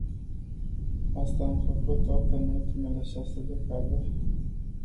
Asta am tot făcut în ultimele șase decade.